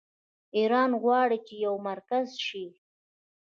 ایران غواړي چې یو مرکز شي.